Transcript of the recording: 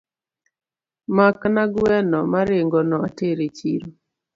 Makna gweno maringoni ater chiro.